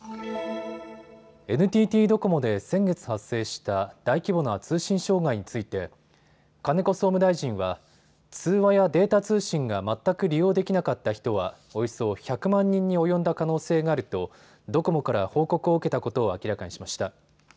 ＮＴＴドコモで先月、発生した大規模な通信障害について金子総務大臣は通話やデータ通信が全く利用できなかった人は、およそ１００万人に及んだ可能性があるとドコモから報告を受けたことを明らかにしました。